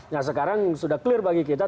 nah sekarang sudah clear bagi kita